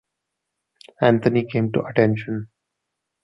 Anthony came to attention.